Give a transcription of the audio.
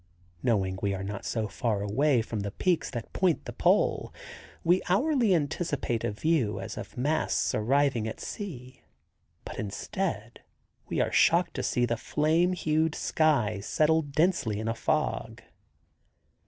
Knowing we are not so far away from the peaks that point the pole, we hourly anticipate a view as of masts arising at sea, but instead, we are shocked to see the flame hued sky settle densely in a fog.